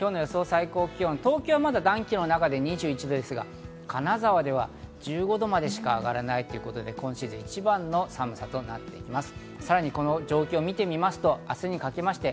最高気温、東京はまだ暖気の中で２１度ですが、金沢では１５度までしか上がらないということで、今シーズン一番の寒さとなっています。